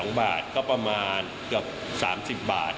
๒บาทก็ประมาณเกือบ๓๐บาท